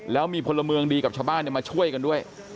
แล้วมีพลเมืองดีกับชาวบ้านมาช่วยกันด้วย